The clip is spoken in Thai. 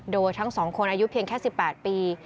โดยทั้ง๒คนอายุเพียงแค่๑๘ปี